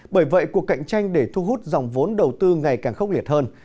bởi vậy cuộc cạnh tranh để thu hút dòng vốn đầu tư ngày càng khốc liệt hơn